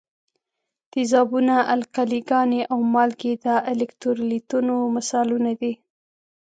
تیزابونه، القلي ګانې او مالګې د الکترولیتونو مثالونه دي.